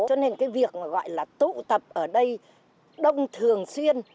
cho nên cái việc gọi là tụ tập ở đây đông thường xuyên